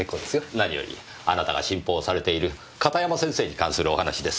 何よりあなたが信奉されている片山先生に関するお話です。